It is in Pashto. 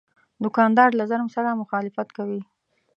دوکاندار له ظلم سره مخالفت کوي.